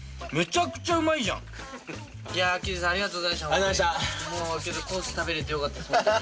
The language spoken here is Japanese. ありがとうございました本当に。